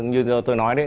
như tôi nói đấy